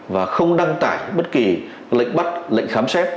và không đăng tải bất kỳ lệnh bắt lệnh khám xét